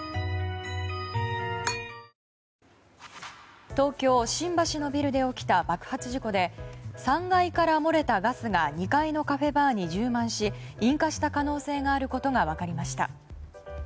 はぁ東京・新橋のビルで起きた爆発事故で３階から漏れたガラスが２階のカフェバーに充満し引火した可能性があることが分かりました。